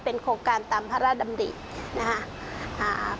โครงการตามพระราชดำรินะครับ